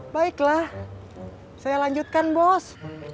baiklah saya lanjutkan bos